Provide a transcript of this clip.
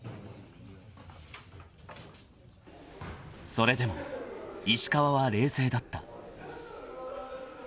［それでも石川は冷静だった］